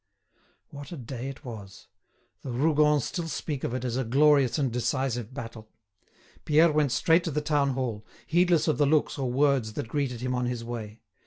What a day it was! The Rougons still speak of it as of a glorious and decisive battle. Pierre went straight to the town hall, heedless of the looks or words that greeted him on his way.